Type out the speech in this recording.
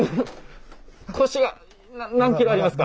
腰がな何キロありますか？